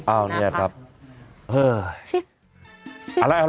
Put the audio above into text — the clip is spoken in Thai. เอ้านี่แหละครับเฮ้อชิบ